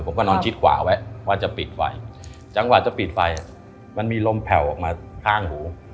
ผมก็นอนชิดขวาไว้ว่าจะปิดไฟจังหวะจะปิดไฟมันมีลมแผ่วออกมาข้างหู